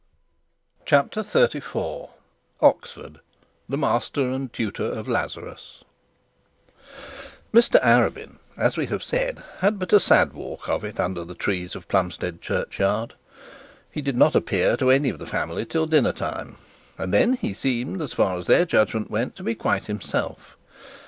CHAPTER XXXIV OXFORD THE MASTER AND TUTOR OF LAZARUS Mr Arabin, as we have said, had but a sad walk of it under the trees of Plumstead churchyard. He did not appear to any of the family till dinner time, and then he assumed, as far as their judgment went, to be quite himself.